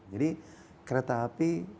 jadi kereta api